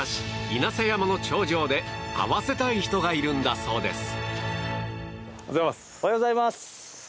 稲佐山の頂上で会わせたい人がいるんだそうです。